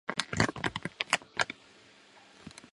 故事情节由旁白叙述。